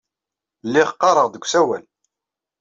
Lliɣ ɣɣareɣ-d deg usawal.